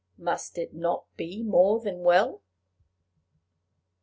must it not be more than well?